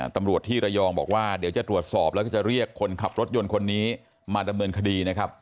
ตำรวจที่ระยองบอกว่าเดี๋ยวจะตรวจสอบแล้วก็จะเรียกคนขับรถยนต์คนนี้มาดำเนินคดีนะครับ